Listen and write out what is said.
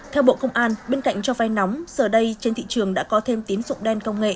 theo bộ công an bên cạnh cho vay nóng giờ đây trên thị trường đã có thêm tín dụng đen công nghệ